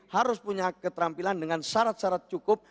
harus punya keterampilan dengan syarat syarat cukup